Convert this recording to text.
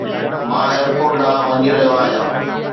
مان ايئرپورٽ ڏانهن وڃي رهيو آهيان